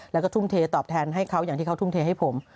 แล้วก็ทุ่มเทตอบแทนให้เขาอย่างที่เขาทุ่มเทให้ผม